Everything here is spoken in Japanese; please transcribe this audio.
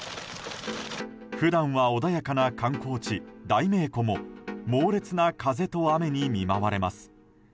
普段は穏やかな観光地大明湖も猛烈な風と雨に見舞われます。